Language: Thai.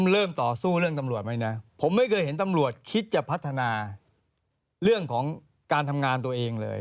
เรื่องของการทำงานตัวเองเลย